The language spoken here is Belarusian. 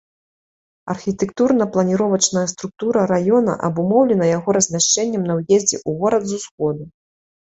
Архітэктурна-планіровачная структура раёна абумоўлена яго размяшчэннем на ўездзе ў горад з усходу.